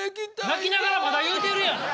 泣きながらまだ言うてるやん。